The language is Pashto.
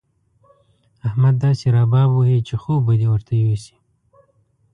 احمد داسې رباب وهي چې خوب به دې ورته يوسي.